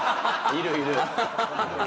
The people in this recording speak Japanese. いるいる。